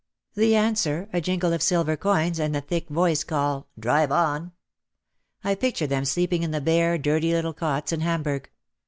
The answer a jingle of silver coins and the thick voice call, "Drive on!" I pictured them sleeping in the bare, dirty little cots in Hamburg.